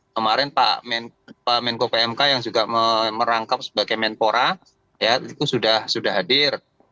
kemarin pak menko pmk yang juga merangkap sebagai menpora itu sudah hadir